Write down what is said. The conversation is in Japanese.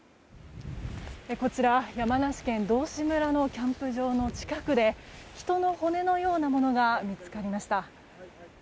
こちら、山梨県道志村のキャンプ場の近くで人の骨のようなものが見つかりました。